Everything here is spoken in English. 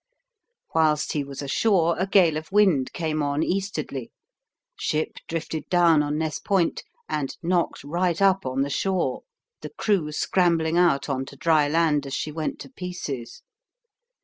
Whilst he was ashore a gale of wind came on "easterdly"; ship drifted down on Ness Point, and knocked right up on the shore, the crew scrambling out on to dry land as she went to pieces.